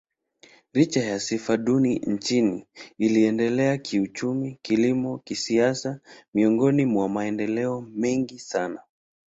Licha ya sifa duni nchini, imeendelea kiuchumi, kilimo, kisiasa miongoni mwa maendeleo mengi sana.